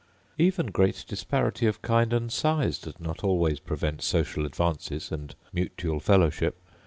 Even great disparity of kind and size does not always prevent social advances and mutual fellowship.